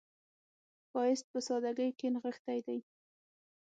ښایست په سادګۍ کې نغښتی دی